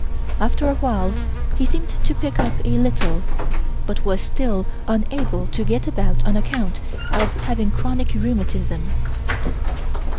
After a while he seemed to pick up a little but was still unable to get about on account of having chronic rheumatism.